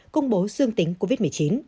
công bố dương tính covid một mươi chín